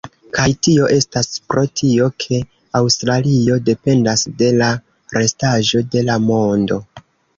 Kaj tio estas pro tio, ke Aŭstralio dependas de la restaĵo de la mondo.